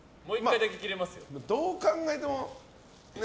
どう考えても、ね。